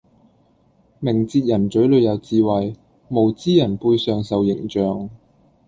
明哲人嘴裡有智慧，無知人背上受刑杖